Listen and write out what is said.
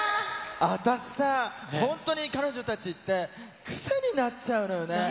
あたしさ、本当に彼女たちって、癖になっちゃうのよね。